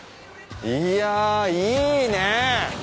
いやいいね！